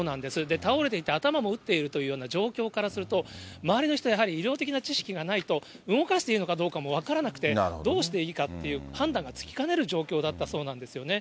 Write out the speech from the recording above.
倒れていて頭も打っているという状況からすると、周りの人、やはり医療的な知識がないと、動かしていいのかどうかも分からなくて、どうしていいかという判断がつきかねる状況だったそうなんですよね。